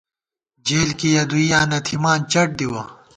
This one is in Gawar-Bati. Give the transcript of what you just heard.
جېل کی یَہ دوئیاں نہ تھِمان، چَٹ دِوَہ